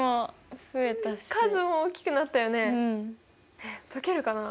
えっ解けるかな？